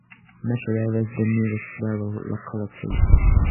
Meshcherevo is the nearest rural locality.